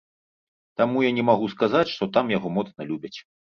Таму я не магу сказаць, што там яго моцна любяць.